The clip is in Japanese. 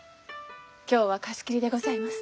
今日は貸し切りでございます。